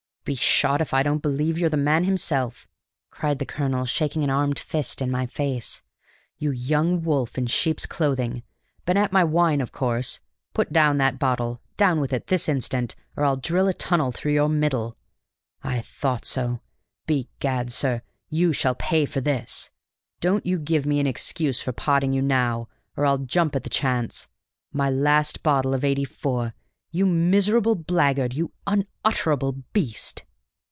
"Be shot if I don't believe you're the man himself!" cried the colonel, shaking an armed fist in my face. "You young wolf in sheep's clothing. Been at my wine, of course! Put down that bottle; down with it this instant, or I'll drill a tunnel through your middle. I thought so! Begad, sir, you shall pay for this! Don't you give me an excuse for potting you now, or I'll jump at the chance! My last bottle of '84 you miserable blackguard you unutterable beast!"